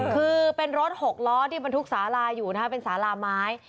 คือเป็นรถหกล้อที่บรรทุกสาลาอยู่นะครับเป็นสาลาไม้